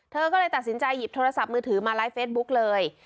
เธอก็เลยตัดสินใจหยิบโทรศัพท์มือถือมาไลฟ์เฟซบุ๊กเลย